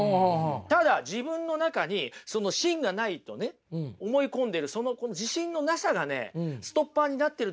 ただ自分の中にその芯がないとね思い込んでるその自信のなさがねストッパーになってるだけだと思うんですよね。